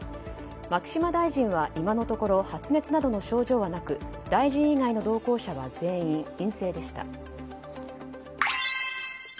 牧島大臣は今のところ発熱などの症状はなく大臣以外の同行者は全員陰性でした。